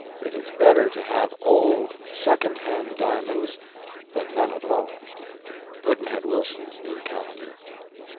It is better to have old second hand diamonds than none at all. Pudd'nhead Wilson's New Calendar.